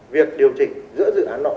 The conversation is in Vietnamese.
việc điều chỉnh giữa dự án nọ